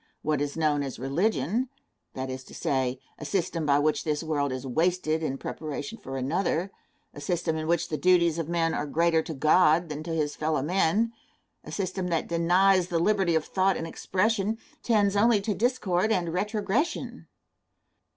What is known as religion that is to say, a system by which this world is wasted in preparation for another a system in which the duties of men are greater to God than to his fellow men a system that denies the liberty of thought and expression tends only to discord and retrogression.